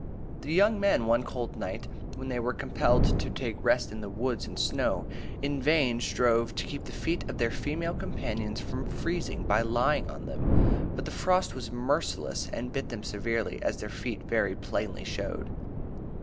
The young men, one cold night, when they were compelled to take rest in the woods and snow, in vain strove to keep the feet of their female companions from freezing by lying on them; but the frost was merciless and bit them severely, as their feet very plainly showed.